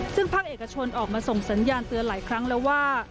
ซึ่งภาคเอกชนออกมาส่งสัญญาณเตือนหลายครั้งแล้วว่า